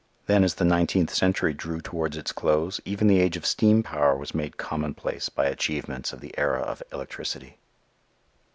Then as the nineteenth century drew towards its close, even the age of steam power was made commonplace by achievements of the era of electricity.